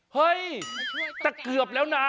เฮ้ยแต่เกือบแล้วนะ